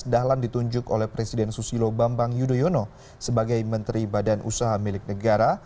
dahlan ditunjuk oleh presiden susilo bambang yudhoyono sebagai menteri badan usaha milik negara